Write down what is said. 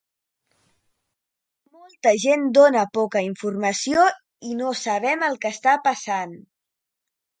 I molta gent dona poca informació i no sabem el que està passant.